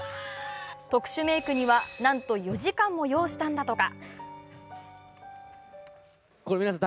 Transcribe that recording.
特殊メークにはなんと４時間も要したんだとか。